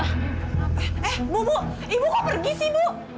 eh bu ibu kok pergi sih bu